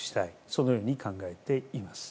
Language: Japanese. そのように考えています。